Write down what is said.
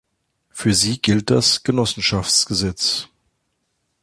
Für sie gilt das Genossenschaftsgesetz.